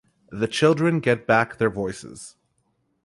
The children get back their voices.